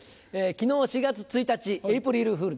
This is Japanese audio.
昨日４月１日エープリルフールですね。